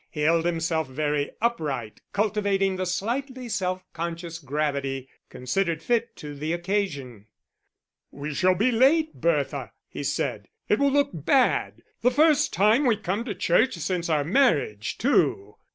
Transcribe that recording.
He held himself very upright, cultivating the slightly self conscious gravity considered fit to the occasion. "We shall be late, Bertha," he said. "It will look so bad the first time we come to church since our marriage, too."